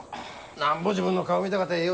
なんぼ自分の顔見たかてええ